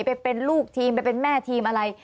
ไปเป็นลูกทีมไปเป็นแม่ทีมอะไร